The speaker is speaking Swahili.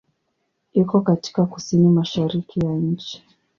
Iko katika kusini-mashariki ya nchi.